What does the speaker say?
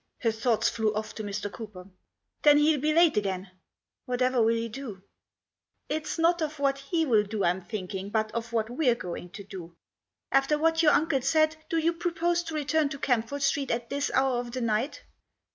Her thoughts flew off to Mr. Cooper. " Then he'll be late again I Whatever will he do ?"" It's not of what he'll do I'm thinking, but of what we're going to do. After what your uncle said, do you propose to return to Camford Street at this hour of the night?"